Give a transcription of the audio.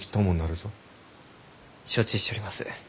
承知しちょります。